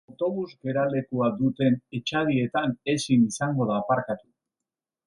Autobus-geralekua duten etxadietan ezin izango da aparkatu.